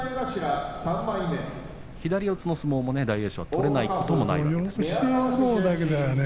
左四つの相撲も大栄翔、取れないこともないですけどもね。